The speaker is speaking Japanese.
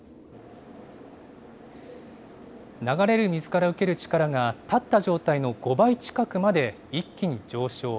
流れる水から受ける力が、立った状態の５倍近くまで一気に上昇。